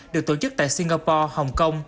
được tổ chức tại singapore hong kong